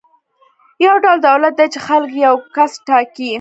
یو ډول دولت دی چې خلک یې یو کس ټاکي.